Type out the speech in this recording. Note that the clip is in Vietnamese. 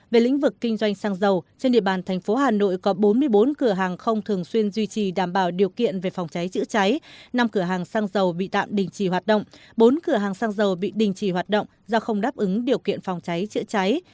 về lĩnh vực kinh doanh xăng dầu trên địa bàn thành phố hà nội có bốn mươi bốn cửa hàng không thường xuyên duy trì đảm bảo điều kiện về phòng cháy chữa cháy năm cửa hàng xăng dầu bị tạm đình chỉ hoạt động bốn cửa hàng xăng dầu bị đình chỉ hoạt động do không đáp ứng điều kiện phòng cháy chữa cháy